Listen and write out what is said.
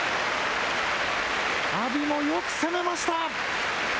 阿炎もよく攻めました。